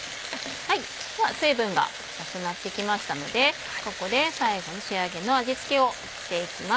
では水分がなくなってきましたのでここで最後の仕上げの味付けをしていきます。